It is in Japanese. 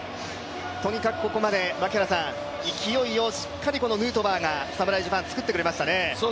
とにかくここまで勢いをしっかり、このヌートバーが侍ジャパン、つくってくれましたね